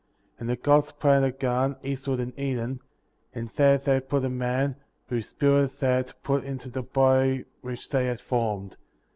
8. And the Gods planted a garden, eastward in Eden, and there they put the man, whose spirit they had put into the body which they had formed.